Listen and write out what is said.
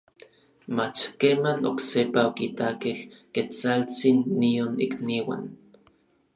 mach keman oksepa okitakej Ketsaltsin nion ikniuan.